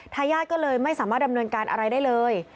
ทายาทก็เลยไม่สามารถดำเนินการอะไรได้เลย